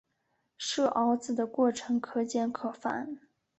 设鏊子的过程可简可繁。